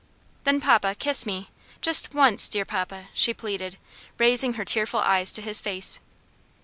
"Then, papa, kiss me; just once, dear papa!" she pleaded, raising her tearful eyes to his face.